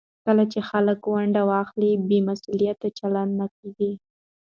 کله چې خلک ونډه واخلي، بې مسوولیته چلند نه کېږي.